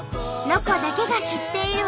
「ロコだけが知っている」。